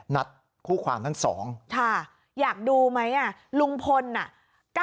นัดคู่ความทั้งสองค่ะอยากดูไหมอ่ะลุงพลน่ะ